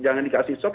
jangan dikasih shock